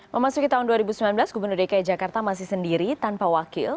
memasuki tahun dua ribu sembilan belas gubernur dki jakarta masih sendiri tanpa wakil